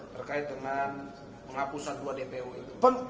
terkait dengan penghapusan dua dpo itu